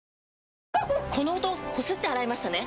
この音こすって洗いましたね？